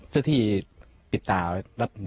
เจ้าที่ปิดตาไว้